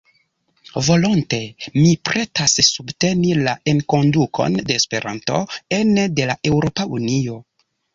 Volonte mi pretas subteni la enkondukon de Esperanto ene de la Eŭropa Unio.